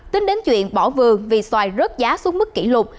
tính đến chuyện bỏ vườn vì xoài rớt giá xuống mức kỷ lục